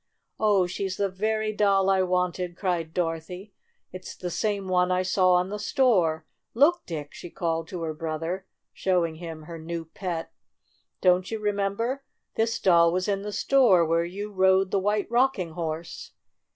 "Oh, she's the very doll I wanted !" cried Dorothy. "It's the same one I saw in the store! Look, Dick!" she called to her brother, showing him her new pet. "Don't you remember ? This doll was in the store where you rode the White Rocking Horse!"